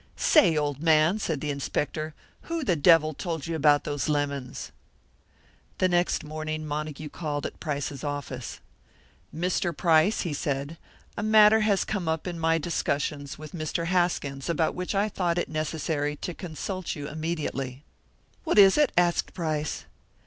'Say, old man,' said the inspector, 'who the devil told you about those lemons?'" The next morning Montague called at Price's office. "Mr. Price," he said, "a matter has come up in my discussions with Mr. Haskins about which I thought it necessary to consult you immediately." "What is it?" asked Price.